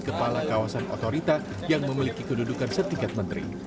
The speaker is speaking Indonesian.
kepala kawasan otorita yang memiliki kedudukan setingkat menteri